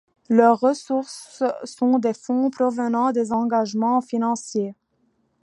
Leurs ressources sont des fonds provenant des engagements financiers.